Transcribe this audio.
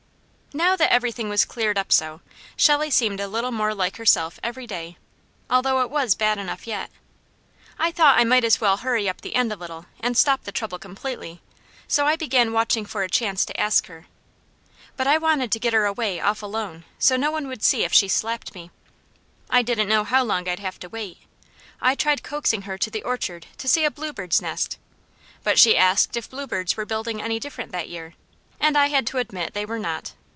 Now that everything was cleared up so, Shelley seemed a little more like herself every day, although it was bad enough yet; I thought I might as well hurry up the end a little, and stop the trouble completely, so I began watching for a chance to ask her. But I wanted to get her away off alone, so no one would see if she slapped me. I didn't know how long I'd have to wait. I tried coaxing her to the orchard to see a bluebird's nest, but she asked if bluebirds were building any different that year, and I had to admit they were not.